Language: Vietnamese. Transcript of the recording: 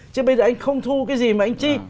chứ bây giờ anh không thu cái gì mà anh chi